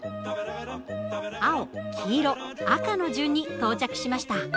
青黄色赤の順に到着しました。